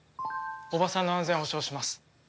叔母さんの安全は保証します。